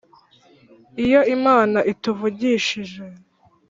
iyo imana ituvugishije